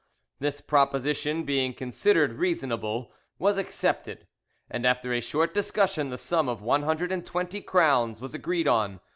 This proposition being considered reasonable, was accepted, and after a short discussion the sum of 120 crowns was agreed on.